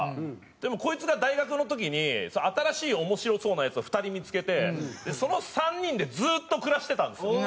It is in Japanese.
でもこいつが大学の時に新しい面白そうなヤツを２人見付けてその３人でずっと暮らしてたんですよ。